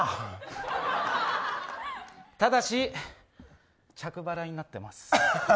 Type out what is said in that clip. ただし着払いになってます。